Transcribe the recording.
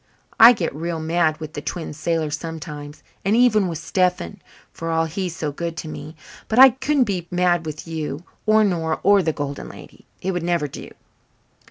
"I get real mad with the Twin Sailors sometimes, and even with Stephen, for all he's so good to me. But I couldn't be mad with you or Nora or the Golden Lady. It would never do."